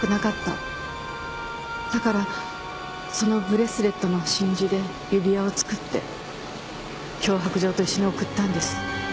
だからそのブレスレットの真珠で指輪を作って脅迫状と一緒に送ったんです。